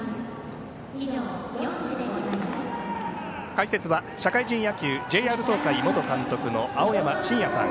解説は社会人野球ＪＲ東海元監督の青山眞也さん。